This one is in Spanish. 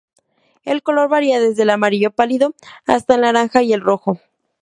El color varía desde el amarillo pálido hasta el naranja y el rojo.